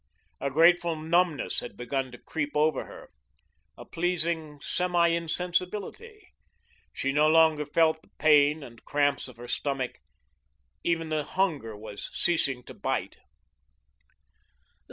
A grateful numbness had begun to creep over her, a pleasing semi insensibility. She no longer felt the pain and cramps of her stomach, even the hunger was ceasing to bite.